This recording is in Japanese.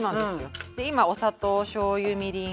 今お砂糖おしょうゆみりん